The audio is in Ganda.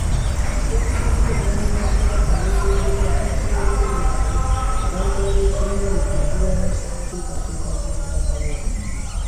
Ssembogo omwami wa Kabaka, aloopedde Katikkiro w’Ebyalo abantu abeefunyiridde okulwanyisa enteekateeka z’Obwakabaka.